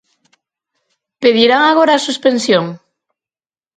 Pedirán agora a suspensión?